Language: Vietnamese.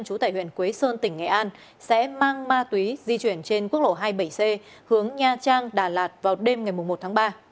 trú tại huyện quế sơn tỉnh nghệ an sẽ mang ma túy di chuyển trên quốc lộ hai mươi bảy c hướng nha trang đà lạt vào đêm ngày một tháng ba